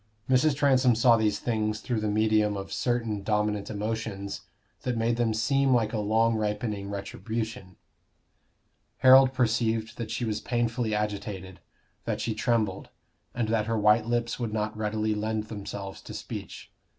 Mrs. Transome saw these things through the medium of certain dominant emotions that made them seem like a long ripening retribution. Harold perceived that she was painfully agitated, that she trembled, and that her white lips would not readily lend themselves to speech.